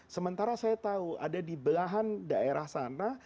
sementara saya tahu ada di belahan daerah sana